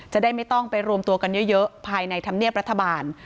จะได้ไม่ต้องไปรวมตัวกันเยอะภายในธรรมเนียบรัฐบาล